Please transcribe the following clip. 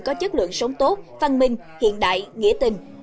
có chất lượng sống tốt văn minh hiện đại nghĩa tình